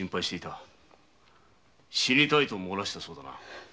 死にたいと洩らしたそうだな。